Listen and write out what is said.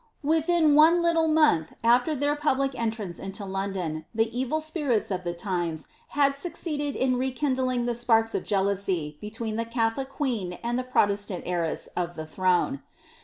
Within one little month after their public entrance into London, the evil spirits of the times had succeeded in rekindling the sparks oi jeal ousy between the Catholic queen and the Protestant heiress of the throne.